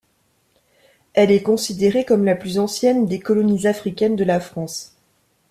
Elle est considérée comme la plus ancienne des colonies africaines de la France.